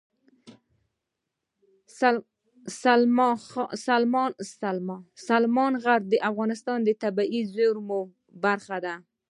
سلیمان غر د افغانستان د طبیعي زیرمو برخه ده.